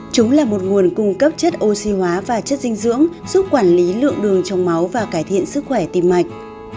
chúng là một nguồn cung cấp chất oxy hóa và chất dinh dưỡng giúp quản lý lượng đường trong máu và cải thiện sức khỏe tim mạch